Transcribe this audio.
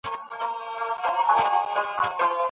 د مېوو په خوړلو سره د بدن پوره قوت مدام زیاتیږي.